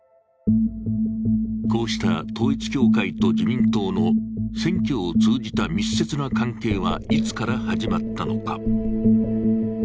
こうした統一教会と自民党の選挙を通じた密接な関係は、いつから始まったのか。